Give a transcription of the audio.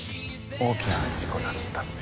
大きな事故だったって。